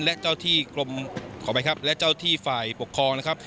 และเจ้าที่กรมขออภัยครับและเจ้าที่ฝ่ายปกครองนะครับ